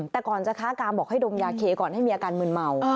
แต่ก่อนจะค้ากามบอกให้ดมยาเคก่อนให้มีอาการมืนเมา